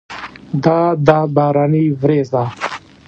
دا ده باراني ورېځه!